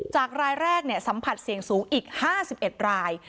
จากรายแรกเนี่ยสัมผัสเสี่ยงสูงอีก๕๑ราย